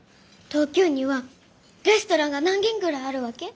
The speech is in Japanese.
東京にはレストランが何軒ぐらいあるわけ？